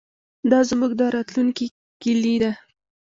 دا زموږ د راتلونکي کلي ده.